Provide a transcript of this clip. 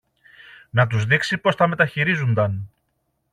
να τους δείξει πώς τα μεταχειρίζουνταν.